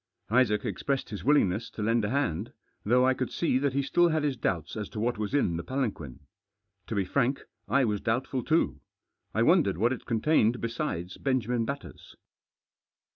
Isaac expressed his willingness to lend a hand, though I could see that he still had his doubts as to what was in the palanquin. To be frank, I was doubtful too. I wohdened what it contained besides Benjamin Batters.